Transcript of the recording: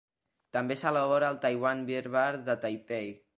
També s'elabora al Taiwan Beer Bar de Taipei.